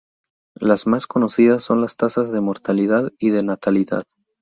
Las más conocidas son las tasas de mortalidad y de natalidad.